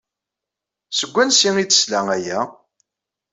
Seg wansi ay d-tesla aya?